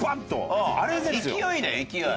勢いだよ勢い。